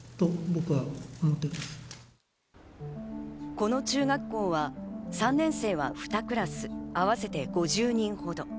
この中学校は３年生は２クラス合わせて５０人ほど。